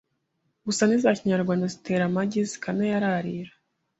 gusa n’iza kinyarwanda zitera amagi zikanayararira